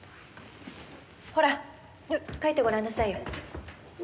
ほら描いてごらんなさいよ。